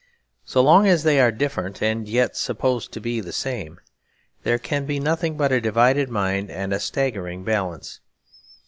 So long as they are different and yet supposed to be the same, there can be nothing but a divided mind and a staggering balance.